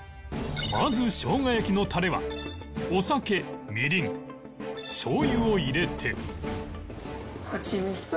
まず生姜焼きのタレはお酒みりんしょうゆを入れて